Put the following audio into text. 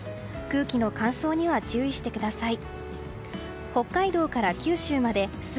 空気の乾燥には注意してください。